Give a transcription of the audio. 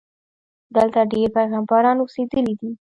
دلته ډېر پیغمبران اوسېدلي دي.